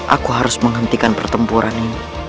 aku harus menghentikan pertempuran ini